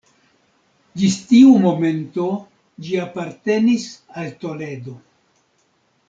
Ĝis tiu momento ĝi apartenis al Toledo.